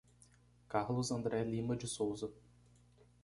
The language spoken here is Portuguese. Carlos André Lima de Sousa